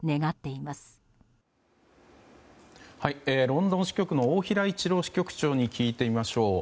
ロンドン支局の大平一郎支局長に聞いてみましょう。